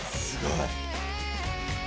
すごい。